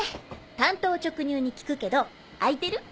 単刀直入に聞くけど空いてる？